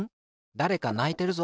だれかないてるぞ。